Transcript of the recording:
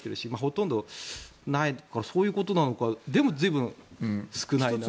とんとないとかそういうことなのかでも、随分少ないなと。